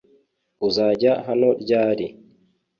uzajya hano ryari